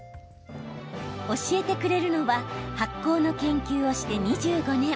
教えてくれるのは発酵の研究をして２５年。